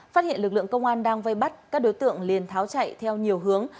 phát hiện lực lượng công an đang vây bắt các đối tượng liền tháo chạy theo nhiều hướng